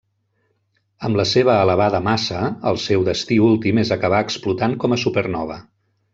Amb la seva elevada massa, el seu destí últim és acabar explotant com a supernova.